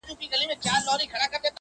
زما زړه په محبت باندي پوهېږي!!